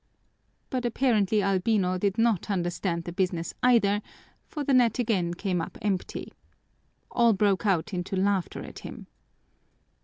But apparently Albino did not understand the business either, for the net again came up empty. All broke out into laughter at him.